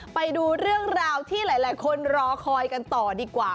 ไปดูเรื่องราวที่หลายคนรอคอยกันต่อดีกว่า